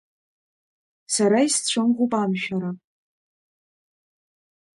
Сара исцәымӷуп амшәара.